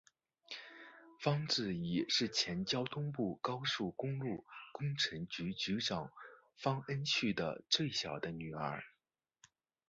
方智怡是前交通部高速公路工程局局长方恩绪的最小的女儿。